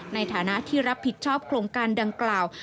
ในฐานะที่รับผิดชอบโครงการดังกล่าว